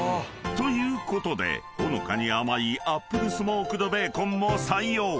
［ということでほのかに甘いアップルスモークドベーコンも採用］